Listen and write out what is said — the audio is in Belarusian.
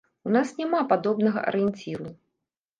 У нас няма падобнага арыенціру.